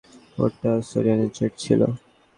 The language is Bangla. ওটা সোরিয়ানের জেট ছিল।